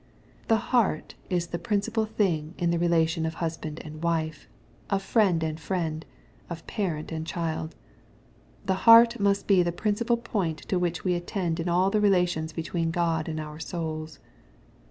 The heart is the principal thing in the relation of husband and wife, of friend and friend, of parent and if child. ' The heart must be the principal point to which we attend in all the relations between God and our souls.